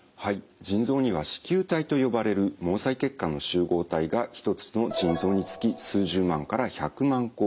腎臓には糸球体と呼ばれる毛細血管の集合体が一つの腎臓につき数十万から百万個あります。